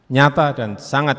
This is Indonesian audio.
nyata dan sangat